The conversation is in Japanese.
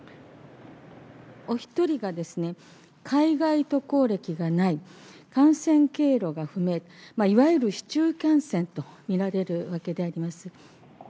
お１人がですね、海外渡航歴がない、感染経路が不明、いわゆる市中感染と見られるわけであります。